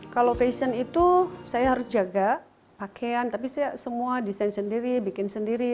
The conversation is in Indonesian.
kalau fashion itu saya harus jaga pakaian tapi saya semua desain sendiri bikin sendiri